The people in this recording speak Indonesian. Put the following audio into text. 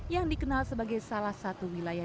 yang dikenal sebagai salah satu wilayah